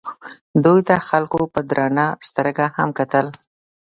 دوی ته خلکو په درنه سترګه هم کتل.